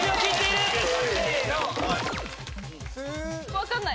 分かんない。